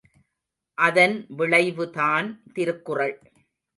அதன் விளைவுதான் திருக்குறள்.